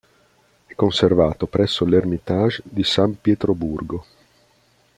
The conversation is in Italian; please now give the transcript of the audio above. È conservato presso l'Ermitage di San Pietroburgo.